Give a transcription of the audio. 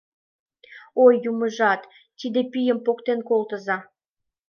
Ой, юмыжат, тиде пийым поктен колтыза!